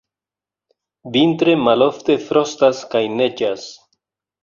Vintre malofte frostas kaj neĝas.